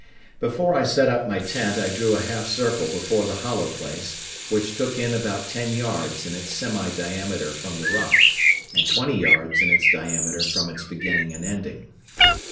Before I set up my tent I drew a half circle before the hollow place, which took in about ten yards in its semi diameter from the rock, and twenty yards in its diameter from its beginning and ending.